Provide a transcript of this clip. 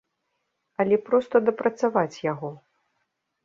Але проста дапрацаваць яго.